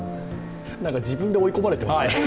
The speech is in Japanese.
自分で追い込まれてますね？